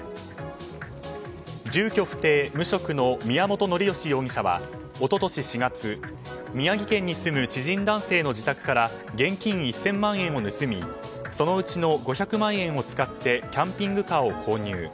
住居不定、無職の宮本徳吉容疑者は一昨年４月、宮城県に住む知人男性の自宅から現金１０００万円を盗みそのうちの５００万円を使ってキャンピングカーを購入。